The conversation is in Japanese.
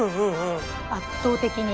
圧倒的に。